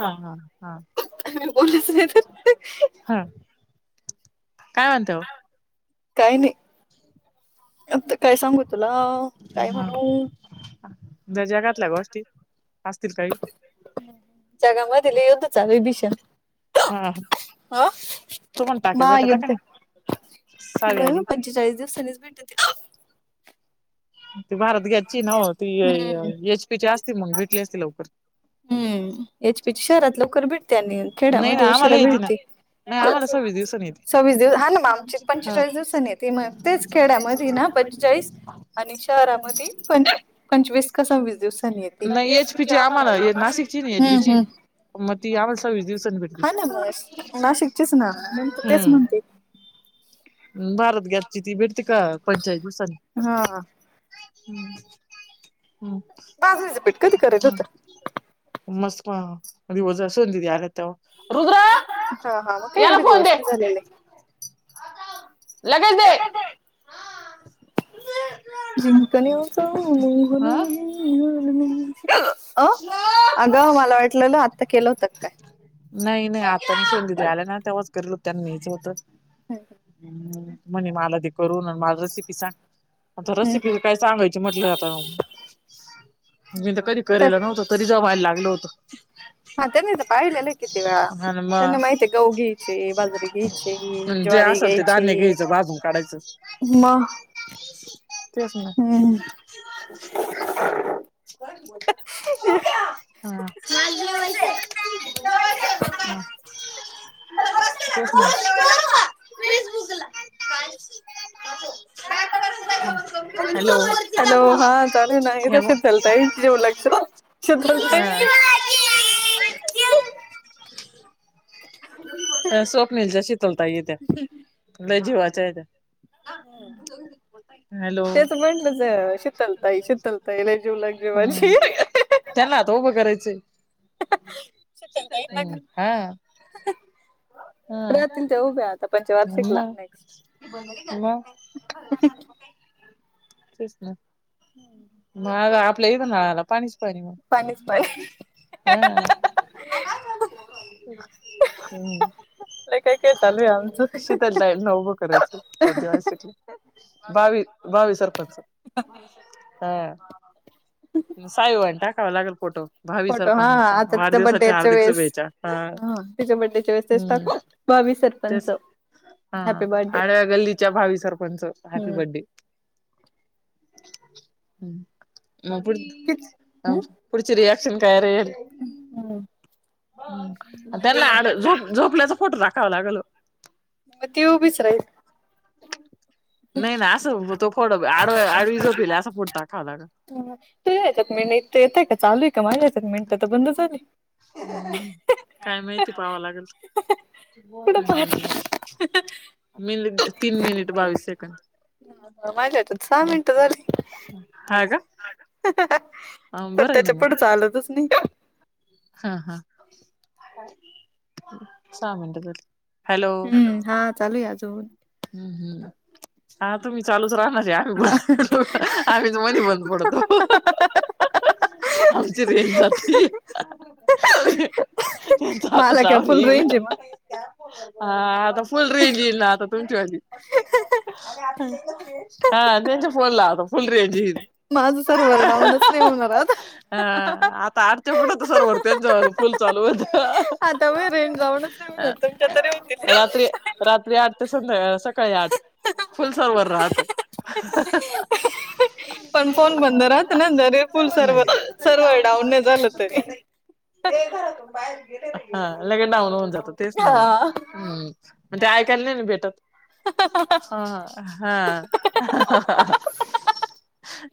हा हा हा मी बोललेच नाही तर हा काय म्हणतो? काय नाही, आता काय सांगू तुला काय म्हणा? ज्या जगातल्या गोष्टी, असतील काही. जगामध्येध चालयं [unintelligible] दिशा. हा तुम्हाला [unintelligible] क महायुद्ध नाही? सावी आली. पंचेचाळीस दिवसांनीच भेटते ती भारत गँस ची ना ती हम्म एचपी ची असती, मग भेटली असती लवकर. हम्म एचपीची शहरात लवकर भेटते आणि नाही ना खेड्यामध्ये आम्हाला, उशिरा येते ना. भेटते नाही आम्हाला, सव्वीस दिवस येती, सव्वीस दिवस हा ना मग म आमची पण पंचेचाळीस सव्वीस दिवसांनी दिवसानी येते मग येती, तेच [unintelligible] खेड्यामध्ये ना येत. [unintelligible] पंचेचाळीस. आणि शहरामध्ये पंच पंचवीस का ते सव्वीस दिवसांनी येते नाही, एच. पी आम्हाला ये नाशिक हम्म हम्म [unintelligible] हा ना म नाशिकचेच ना म्हणून, तेच म्हणते. [inaudible] भारतगँस ची भेटती का, पंचेचाळीस दिवसांनी? हा हम हम बाजरीचं पीठ कधी करेल होतं ह. [unintelligible] आल्यात तवा. हा हा मग काय एवढे, फोन दिवस दे नाही झालेले. लगे दे. हा जिंकण्याचा मोह हा नाही [unintelligible] अ ह अगं मला वाटलेलं आत्ता केलं होत, का काय? नाही नाही आता सदी आल्या ना तेव्हाच करल हो त्याना मच होतं. [unintelligible] म्हणे मला ते करून मला रेसिपी सांग. आता रेसिपी हम्म काय सांगायची म्हटलं आता मी तर कधी कयला नव्हतं. तरी ज व्हायला लागल होतं. हा त्यांनच पाहिलेला किती वेळा. आणि त्यांना मग माहित आहे गहू घ्यायचे बाजरे घ्यायचे ज्वारी घ्यायचे. घ्यायच बाजून काढायचं तेच ना. हम्म [unintelligible] श माल जेवायचंय जेवायचंय काय? [unintelligible] हॅलो हा चालू नाही तर हॅलो. हा. [unintelligible] त्या स्वप्नीलच्या शतल ताई येत्यात. [unintelligible] तेच म्हटलंच शीतलताई शीतलताईला लई जीवलग हम्म. जीवाची. त्यांना आता उभं करायचंय शीतलताई नका. हा [unintelligible] नेक्स्ट [unintelligible] ख्रिसमस. हम् नळाला पणीस पाणी हम् [unintelligible] लय काय काय चालू आमच. ना उभं करायचं बावी बावी सरपंच. हा सायबा वाणी टाकावा लागेल फोटो. भावी फोटो हा सरपंचा आता तिच्या वाढदिवसाच्या बड्डेच्या हार्दिक वेळेस शुभेच्छा हा तिच्या बडडेच्या वेळेस तेच हम्म टाकू. बावी सरपंच. तेच हा हॅपी बर्थडे आणिड्या गल्लीच्या भावी सरपंच हॅपी हम्म बडडे. [unintelligible] मग पुढ हम्म पुढची रियाक्शन काय राहील. हम्म त्यांनाड झोपण्याचा फोटो टाकावा लागेल. मग ती उभीच राहील. नाही नाही असं तो फड आड आडवी झोपीला असं फोटो टाकावं लागेल ना. तू यायच्यात मि येतय का चालू आहे का माझ्या यायच्यात मिनटं तर बंद झाली. काय माहिती पाहावा लागेल. [unintelligible] मिट तीन मनिट बावीस से ह माझ्यात सहा मिनटं झाली. हा का पण बरं आहे ना त्याच्या मग पुढचं आलंतच नाही. हा हा सहा मिन बर. हॅलो हम्म हा चालू आहे अजून हम्म हम्म. हा तुम्ही चालूच राहणार रे आम्ही बंद पडतो आम्हीच मध्ये बंद पडतो. आमची रेंज जाती. मला काय फुल रेंज आहे मग [unintelligible] हा आता फुल रेंज येल आता तुमच्या मा हा त्यांच फनला आत फुल रेज येळ माझं सर्व्हर डाऊनच नाही हा होणार आता आ [unintelligible] आता मी रेंज डाऊनच नाही [unintelligible] होणार तुमच्या तरी अ होतील. रात्री रात्री आठ तर संध्या सकाळी आठ फुल सरवर राहतं. पण फोन बंद राहतं ना जरे फुल सर्व सर्वर डाऊन नाही झालं तरी. हा लगे डाऊन होऊन जातं तेच ना मग हा. हम्म. मंग ते ऐकायला नाही ना भेटत. हा हा हा.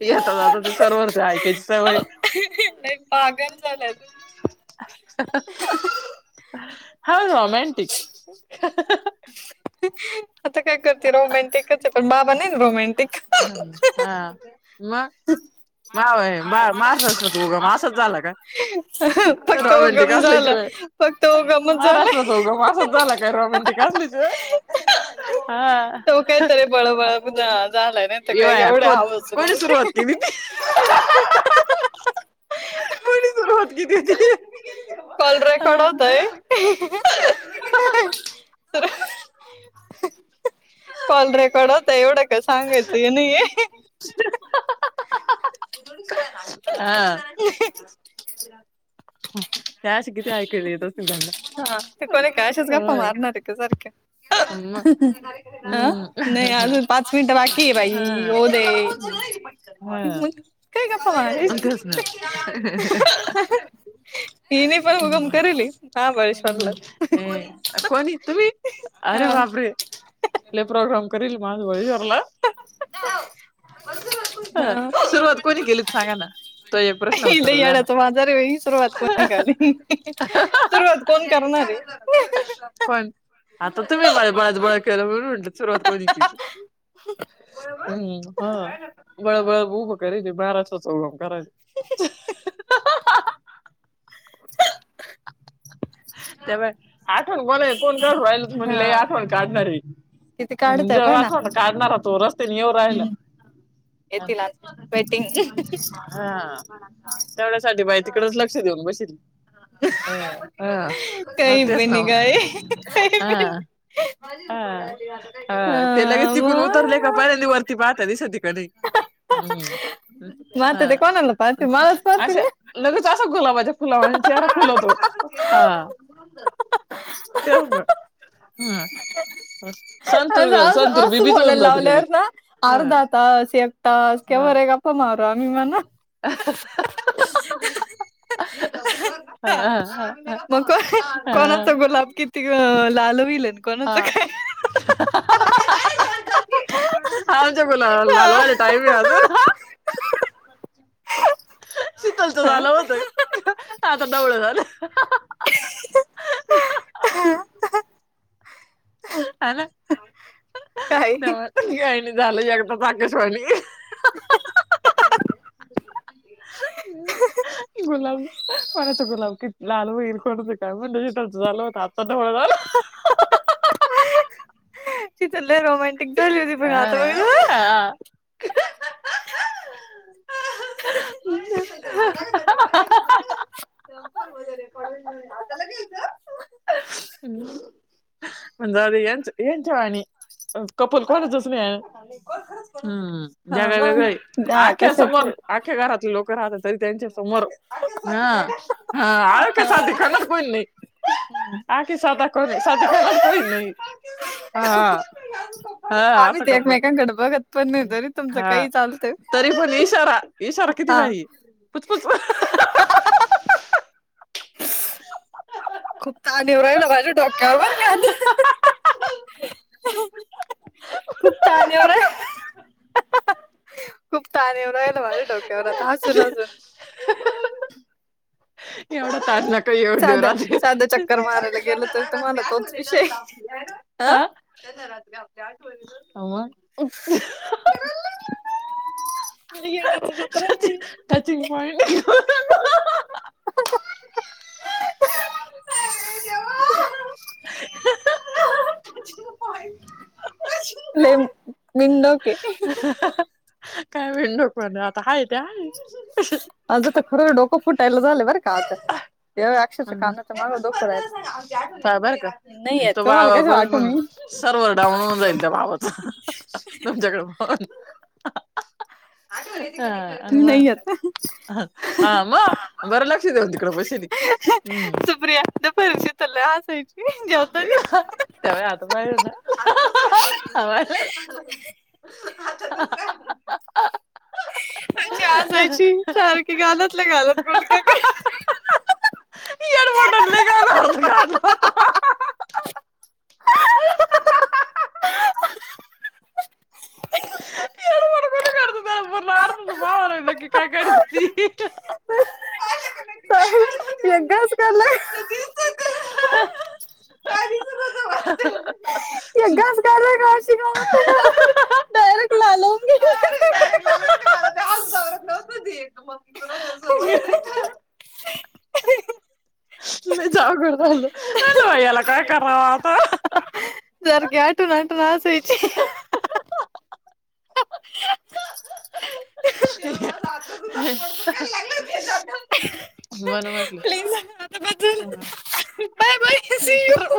येता जाता ते सर्वर ते आहे तेच सवय नाही पागल झालाय तुम्ही. हा रोमेंटिक आता काय करते रोमँटिकच आहे पण बाबा ना हां ना हा. [unintelligible] झाला का फक्त रोमँटिक उगम झाला असल्याशिवाय फक्त उगमच झालाय. महाराष्ट्राचा उगम असच झाला का का रोमँटिक असल्याशिवाय हा. तो काहीतरी बळबळ झालाय नाही तर ये काही वाया एवढे कोण हवच कोणी सुरुवात नव्हते. केली ती. कोणी सुरुवात केली ती कॉल रेकॉर्ड आं. होतय. [unintelligible] कॉल रेकॉर्ड होता एवढं का सांगायचं हे नाहीये. हा [unintelligible] हम्म. अशे किती ऐकलय येत असतील त्यांना हा ते कोणी काय अशाच गप्पा हा. मारणार आहे का सारख्या? मग अ उम्म नाही अजून पाच मिनिटं बाकी आहे बाई हा. होऊ दे. मग काय गप्पा हा मार तेच ना. हिने पण उगम करीली. कोणी तुम्ही हा अरे बापरे! लई प्रोग्राम करील माझं वळीवरला. हा हा सुरुवात कोणी केली सांगा ना तो येई प लई याड्याच माजार आहे वई सुरुवात कोणी काल्ली सुरुवात कोण करणारे. कोण आता तुम्ही मला बाज बार केला म्हणून म्हणलं सुरुवात कोणी की ती. ह हम्म हा बळा बळा बोब करली बारा सो चौगम कराय. त्यामुळे आठवण बोला फोन करू राहिलं म्हणलय हा आठवण काढणारी. किती पण काढताय पाय जेव्हा ना थोडं काढणार तो रस्तेने येऊ राहिला. हम्म [inaudible] हा येतील आता वेटिंग तेवढ्यासाठी बाई तिकडेच लक्ष देऊन बशील. आं आं कही पे तेच ना नाही ओ गये कही पे आं. आ आ ते लगे हा तिकून उतरले का मग पहलिनी वरती पाहता दिसती का नी. हम्म मग हा आता ते कोणाला पाहतील मलाच पाहतील असे ना लगेच असं गुलाबाच्या फुलावर चेहरा खुलतो हा. त्याव ना हा अ असं असं असं बोलायला लावल्यावर ना ह अर्धा तास एक टास के बर आहे का महारानी म्हणा अ हा मग को कोणाचा गुलाब अ किती लाल होईले? कोणाचं काय आमच्या गुलाबाला लाल व्हायले टाईम आहे अजून. शीतलचा हा झालं होतय. [inaudible] हे ना काय काय नाही झालं एकदा आकाशवाणी [inaudible] गुलाम कुणाच गुलाम किती लाल वहील कोणाच काय म्हणज झाल होत आता ढवळ झाल. तिथ लय रोमांटिक झाली होती पण आता बघितल [unintelligible] हा हा [inaudible] [inaudible] [unintelligible] जाऊदे. जाऊदे येनचीवाणी. कपल कोणाचच नाही. हम् हा जगा मग वेगळ हा आख्या कशाच समोर आख्या घरातले लोक राहतात तरी त्यांच्या समोर. ह हा, [unintelligible] खाणार कोण नाही. [unintelligible] हा आम्ही असं ते कपल, एकमेकांकडे बघत पण नाही तरी तुमचं हा काही चालतंय तरी पण इशारा इशारा किती हा भारीय पुछपच. खूप ताण येऊ राहिला माझ्या डोक्यावर बर का खूप तााण येऊ राहिला. खूप ताान येऊ राहिलं माझ्या डोक्यावर आता हसून हसून. [inaudible] एवढा ताण नका येऊ देऊ साधा रात्री साधा चक्कर मारायला गेलं तर तुम्हाला तोच विषय ह हा ह मग [inaudible] टचि टचिंग पॉइंट घेऊन आला टचिंग लय पॉइंट... बिनडोक आहे [inaudible] काय बिनडोक म्हणे आता हाय ते हाय. माझं तर पूर डोकं फुटायला झालं बरं का आता. ते अक्षरशः कानाच मग दुखू राहील. पहा बर का नाहीय तो तुम्हाला बाबा कस परत वाटू मग मी सर्व्हर डाऊन होऊन जाईल त्या बाबाच तुमच्याकडून [unintelligible] ह नाही येत अन् ह म बर लक्षदेउन तिकड बसेल हे [unintelligible] सुप्रिया लय हासायचीजेवतानी नी [inaudible] आ आशी हासायची सारखी गालतल्या गालत गुलक्या का [inaudible] [inaudible] इन ऑडिबल [inaudible] [inaudible] एक घास खाला कि [unintelligible] डायरेक्ट ला लवंगी म [unintelligible] [unintelligible] लय अवघड झाल. म्हणल बई याला काय करावा आता. सारखी आठून आठून हासायची. मण म्हटलं. प्लीज आता बस झालं [unintelligible] बाय बाय सी यू